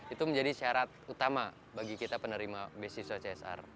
itu menjadi syarat utama bagi kita penerima beasiswa csr